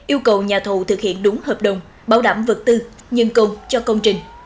yêu cầu nhà thù thực hiện đúng hợp đồng bảo đảm vật tư nhân công cho công trình